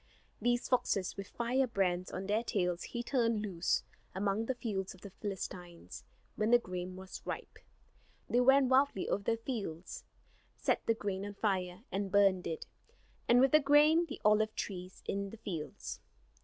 These foxes with firebrands on their tails he turned loose among the fields of the Philistines when the grain was ripe. They ran wildly over the fields, set the grain on fire, and burned it; and with the grain the olive trees in the fields.